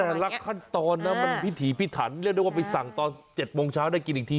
แต่ละขั้นตอนนะมันพิถีพิถันเรียกได้ว่าไปสั่งตอน๗โมงเช้าได้กินอีกที